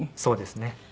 そうですね。